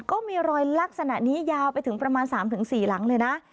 ก็มีรอยลักษณะนี้ยาวไปถึงประมาณ๓๔หลังเลยนะ